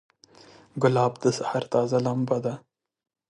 ګلاب د سحر تازه لمبه ده.